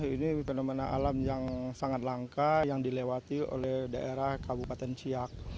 ini fenomena alam yang sangat langka yang dilewati oleh daerah kabupaten ciak